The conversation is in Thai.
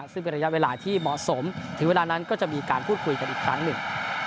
ซึ่งเป็นระยะเวลาที่เหมาะสมถึงเวลานั้นก็จะมีการพูดคุยกันอีกครั้งหนึ่ง